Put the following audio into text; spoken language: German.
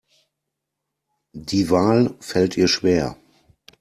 Die Wahl fällt ihr schwer.